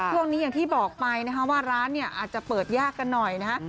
อย่างที่บอกไปนะคะว่าร้านเนี่ยอาจจะเปิดยากกันหน่อยนะฮะ